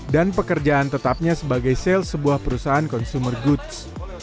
dan pekerjaan tetapnya sebagai sales sebuah perusahaan consumer goods